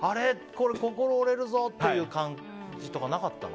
これ心折れるぞっていう感じとかなかったの？